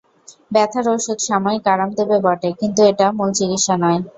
ব্যথার ওষুধ সাময়িক আরাম দেবে বটে কিন্তু এটা মূল চিকিৎসা নয়।